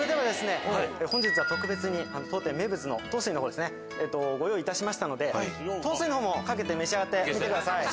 本日は特別に当店名物の豆水のほうご用意いたしましたので豆水のほうもかけて召し上がってみてください。